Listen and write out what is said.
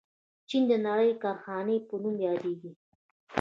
چین د نړۍ د کارخانې په نوم یادیږي.